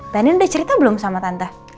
tenin udah cerita belum sama tante